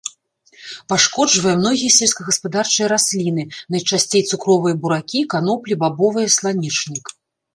Пашкоджвае многія сельскагаспадарчыя расліны, найчасцей цукровыя буракі, каноплі, бабовыя, сланечнік.